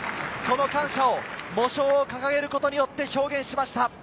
その感謝を喪章を掲げることによって表現しました。